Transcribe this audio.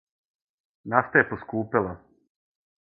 Нафта је поскупела.